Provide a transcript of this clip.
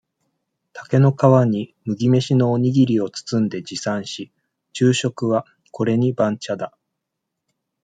竹の皮に、麦飯のおにぎりを包んで持参し、昼食は、これに、番茶だ。